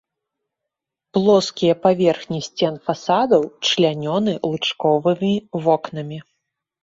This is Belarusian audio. Плоскія паверхні сцен фасадаў члянёны лучковымі вокнамі.